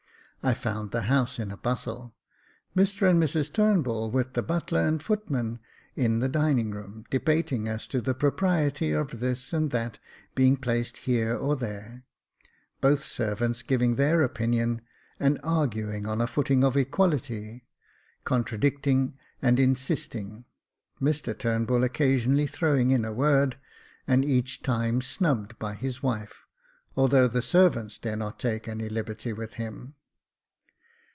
I found the house in a bustle ; Mr and Mrs Turnbull, with the butler and footman, in the dining room, debating as to the propriety of this and that being placed here or there, both servants giving their opinion, and arguing on a footing of equality, contradicting and insisting, Mr Turnbull occasionally throwing in a word, and each time snubbed by his wife, although the servants dare not take any liberty with him.